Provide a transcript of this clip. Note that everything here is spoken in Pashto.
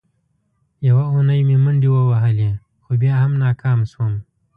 یوه اونۍ مې منډې ووهلې، خو بیا هم ناکام شوم.